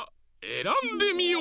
えらんでみよ！